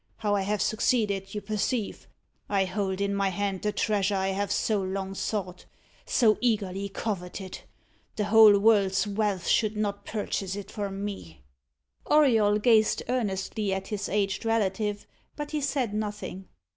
How I have succeeded, you perceive. I hold in my hand the treasure I have so long sought so eagerly coveted. The whole world's wealth should not purchase it from me." Auriol gazed earnestly at his aged relative, but he said nothing.